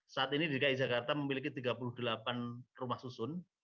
saat ini dki jakarta memiliki tiga puluh delapan rumah susun